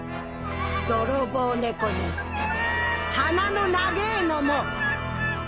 泥棒猫に鼻の長ぇのも。